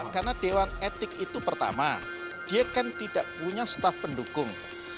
karena dewan etik itu pertama dia kan tidak punya staf pendukung